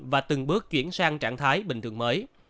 và từng bước chuyển sang trạng thái bình thường mới